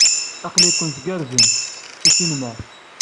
Aql-iken tgerrzem! Tisnemmar!